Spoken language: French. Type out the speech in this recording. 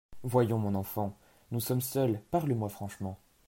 Voyons, mon enfant, nous sommes seuls, parle-moi franchement…